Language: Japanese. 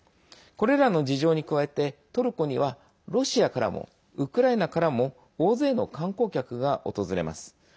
これらの事情に加えてトルコにはロシアからもウクライナからも大勢の観光客が訪れます。